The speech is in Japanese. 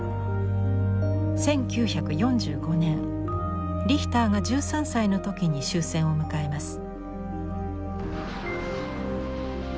１９４５年リヒターが１３歳の時に終戦を迎えます。